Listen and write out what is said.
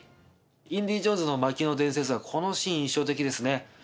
『インディ・ジョーンズ魔宮の伝説』はこのシーン印象的ですね。